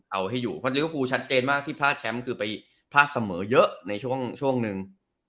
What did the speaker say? เอาให้อยู่เพราะลิเวฟูชัดเจนมากที่พลาดแชมป์คือไปพลาดเสมอเยอะในช่วงหนึ่ง